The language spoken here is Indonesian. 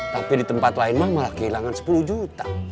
tapi di tempat lain mah malah kehilangan sepuluh juta